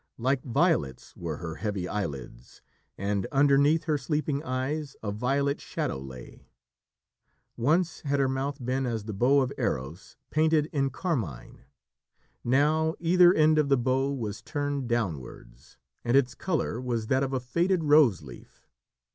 Like violets were her heavy eyelids, and underneath her sleeping eyes a violet shadow lay. Once had her mouth been as the bow of Eros, painted in carmine. Now either end of the bow was turned downwards, and its colour was that of a faded rose leaf.